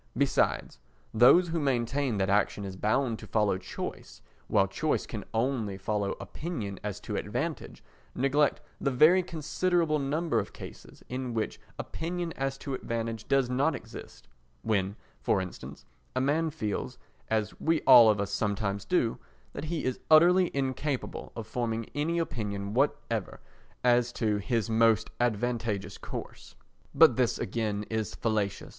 Besides, those who maintain that action is bound to follow choice, while choice can only follow opinion as to advantage, neglect the very considerable number of cases in which opinion as to advantage does not exist—when, for instance, a man feels, as we all of us sometimes do, that he is utterly incapable of forming any opinion whatever as to his most advantageous course. But this again is fallacious.